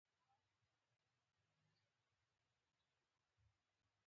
د هندوکش په غرونو کې تازه هوا د ژوند ښکلا ده.